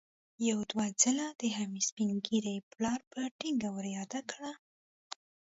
يو دوه ځله د حميد سپين ږيري پلار په ټينګه ور ياده کړه.